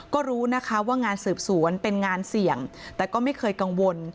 ก็รู้นะคะว่างานสืบสวนเป็นงานเสี่ยงแต่ก็ไม่เคยกังวล